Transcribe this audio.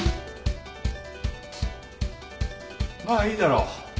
まあいいだろう。